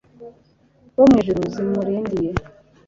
bo mu ijuru zimurindiye